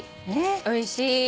おいしい。